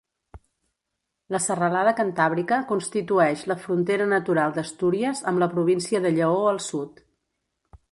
La serralada Cantàbrica constitueix la frontera natural d'Astúries amb la província de Lleó al sud.